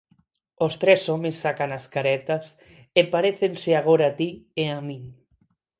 Os tres homes sacan as caretas e parécense agora a ti e a min.